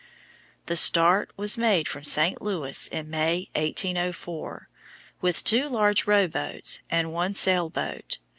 The start was made from St. Louis in May, 1804, with two large rowboats and one sail boat.